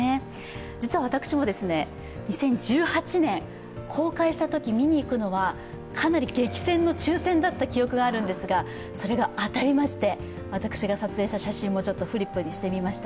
実は私も２０１８年、公開したときに見に行くのはかなり激戦の抽選だった記憶があるんですが、それが当たりまして、私が撮影した写真もフリップにしてみました。